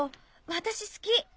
私好き！